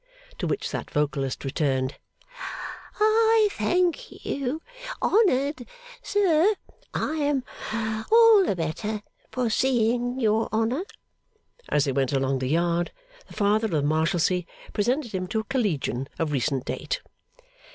To which that vocalist returned, 'I thank you, honoured sir, I am all the better for seeing your honour.' As they went along the yard, the Father of the Marshalsea presented him to a Collegian of recent date.